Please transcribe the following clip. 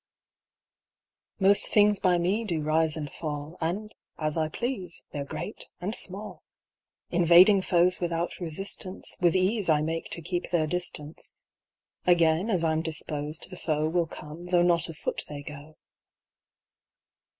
Most things by me do rise and fall, And, as I please, they're great and small; Invading foes without resistance, With ease I make to keep their distance: Again, as I'm disposed, the foe Will come, though not a foot they go.